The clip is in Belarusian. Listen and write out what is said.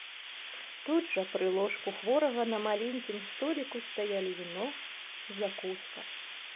Тут жа пры ложку хворага на маленькім століку стаялі віно, закуска.